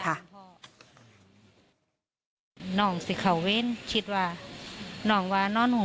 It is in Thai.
เพราะว่าตอนเดียวกับแฮนด์ก็ไม่ภาพหวตก์